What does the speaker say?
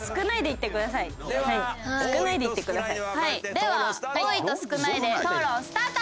では「多い」と「少ない」で討論スタート！